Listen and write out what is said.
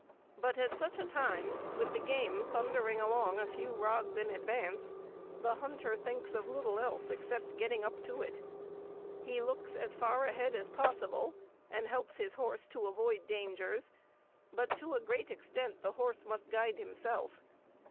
But at such a time, with the game thundering along a few rods in advance, the hunter thinks of little else except getting up to it. He looks as far ahead as possible, and helps his horse to avoid dangers, but to a great extent the horse must guide himself.